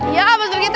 iya pak sikiti